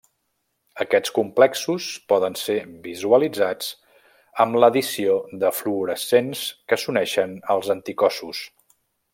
Aquests complexos poden ser visualitzats amb l'addició de fluorescents que s'uneixen als anticossos.